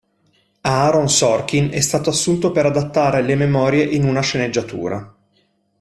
Aaron Sorkin è stato assunto per adattare le memorie in una sceneggiatura.